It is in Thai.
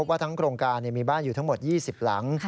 ว่าทั้งโครงการมีบ้านอยู่ทั้งหมด๒๐หลัง